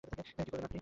কি বললেন আপনি?